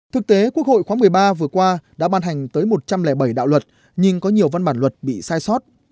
thực tế quốc hội khóa một mươi ba vừa qua đã ban hành tới một trăm linh bảy đạo luật nhưng có nhiều văn bản luật bị sai sót